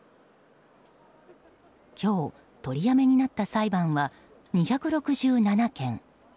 今日、取りやめになった裁判は２６７件。